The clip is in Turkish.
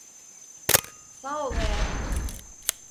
Sağ ol hayatım.